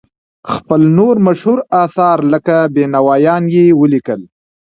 خپل نور مشهور اثار لکه بینوایان یې ولیکل.